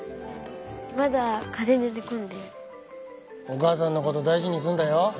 お母さんのこと大事にすんだよ。